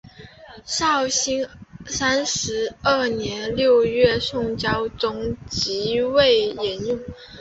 绍兴三十二年六月宋孝宗即位沿用。